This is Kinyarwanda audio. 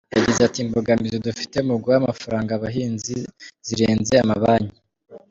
Yagize ati “Imbogamizi dufite mu guha amafaranga abahinzi zirenze amabanki.